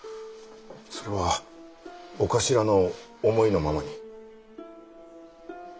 それは長官の思いのままに。